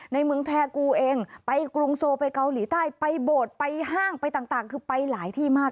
ในเมืองแทกูเองไปกรุงโซไปเกาหลีใต้ไปโบสถ์ไปห้างไปต่างคือไปหลายที่มาก